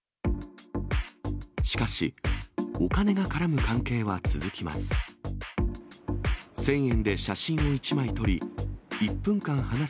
しかし、お金が絡む関係は続きます。